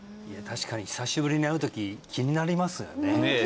確かに久しぶりに会う時気になりますよねねえ